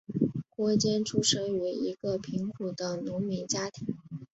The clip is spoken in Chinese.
郭坚出生于一个贫苦的农民家庭。